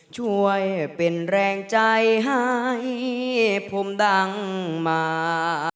ช่วยเป็นแรงใจให้ผมดังมา